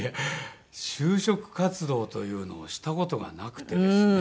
就職活動というのをした事がなくてですね。